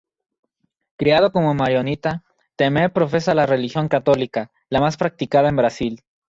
Criado como maronita, Temer profesa la religión católica, la más practicada en Brasil.